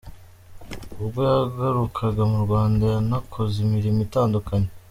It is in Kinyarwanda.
Ubwo yagarukaga mu Rwanda yanakoze imirimo itandukanye.